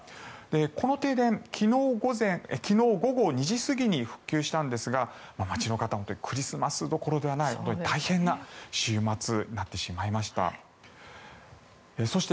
この停電、昨日午後２時過ぎに復旧したんですが町の方は本当にクリスマスどころではない本当に大変な週末になってしまいました。